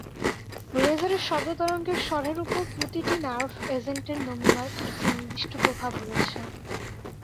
লেজারের শব্দ তরঙ্গের স্বরের উপর প্রতিটি নার্ভ এজেন্টের নমুনার একটি নির্দিষ্ট প্রভাব রয়েছে।